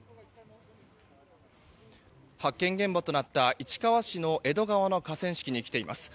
発見現場となった市川市の江戸川の河川敷に来ています。